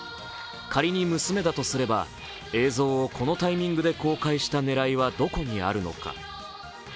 仮に娘だとすれば、映像をこのタイミングで公開した狙いはどこにあるのか。